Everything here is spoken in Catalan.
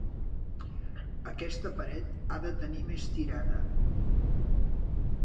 Aquesta paret ha de tenir més tirada.